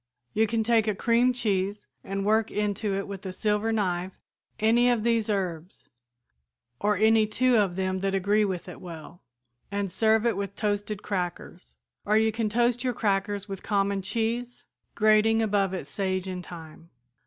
You can take a cream cheese and work into it with a silver knife any of these herbs, or any two of them that agree with it well, and serve it with toasted crackers, or you can toast your crackers with common cheese, grating above it sage and thyme."